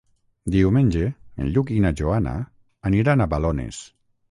Diumenge en Lluc i na Joana aniran a Balones.